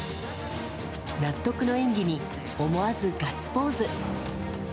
納得の演技に、思わずガッツポーズ。